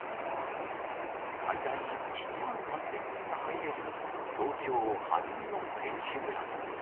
最大１万８０００人が入れる東京・晴海の選手村。